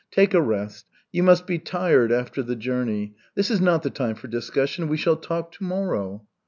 Take a rest, you must be tired after the journey. This is not the time for discussion. We shall talk to morrow."